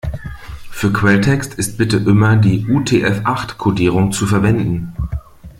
Für Quelltext ist bitte immer die UTF-acht-Kodierung zu verwenden.